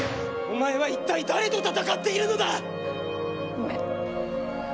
お前は一体誰と戦っているのだ⁉ごめん。